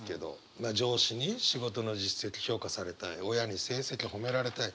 まあ上司に仕事の実績評価されたい親に成績褒められたい。